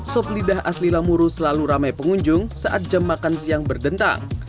sop lidah asli lamuru selalu ramai pengunjung saat jam makan siang berdentang